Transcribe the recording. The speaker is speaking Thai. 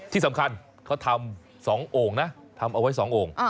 ที่สำคัญเขาทำ๒โอ่งนะทำเอาไว้๒โอ่ง